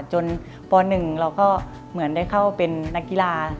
ป๑เราก็เหมือนได้เข้าเป็นนักกีฬา